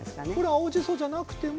青じそじゃなくても？